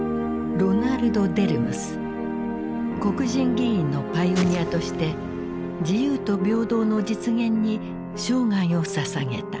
黒人議員のパイオニアとして自由と平等の実現に生涯を捧げた。